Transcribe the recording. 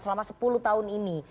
selama sepuluh tahun ini